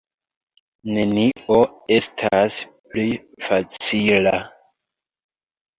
Nenio estas pli facila.